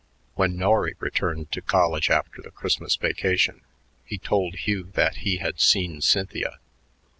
When Norry returned to college after the Christmas vacation, he told Hugh that he had seen Cynthia.